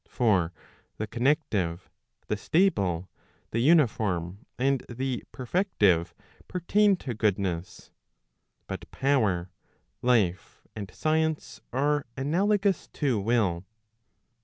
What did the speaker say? For the connective, the stable, the uniform, and the perfective, pertain to goodness. But power, life, and science, are analogous to will.